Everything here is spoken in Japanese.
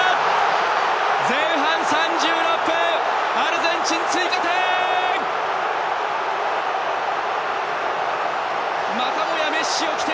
前半３６分アルゼンチン、追加点！